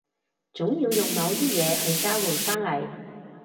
總要用某啲嘢去交換返嚟